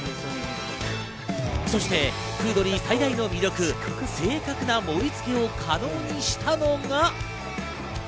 そしてＦｏｏｄｌｙ最大の魅力、正確な盛り付けを可能にしたのが。